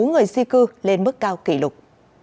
người di cư lên mức cao kỷ lục